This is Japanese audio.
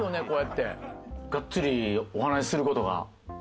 こうやってがっつりお話する事が。